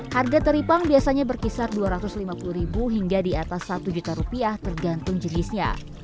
harga teripang biasanya berkisar dua ratus lima puluh ribu hingga di atas satu juta rupiah tergantung jenisnya